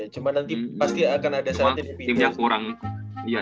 cuma nanti pasti akan ada saatnya